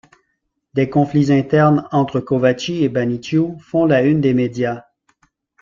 Des conflits internes entre Covaci et Baniciu font la une des médias.